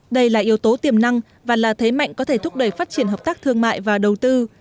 đây là yếu tố tiềm năng và là thế mạnh có thể thúc đẩy phát triển hợp tác thương mại và đầu tư